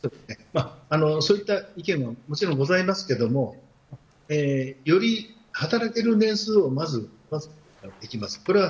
そういった意見ももちろん、ございますけどもより、働ける年数を延ばすことができます。